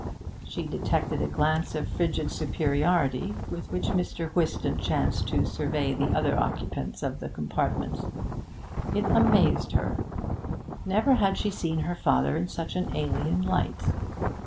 She detected a glance of frigid superiority with which Mr. Whiston chanced to survey the other occupants of the compartment. It amazed her. Never had she seen her father in such an alien light.